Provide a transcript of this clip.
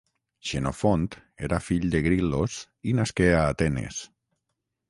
Xenofont era fill de Gril·los, i nasqué a Atenes